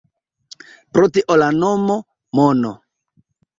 Pro tio la nomo “Mono”.